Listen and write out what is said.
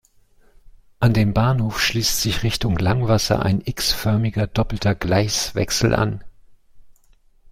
An den Bahnhof schließt sich Richtung Langwasser ein x-förmiger doppelter Gleiswechsel an.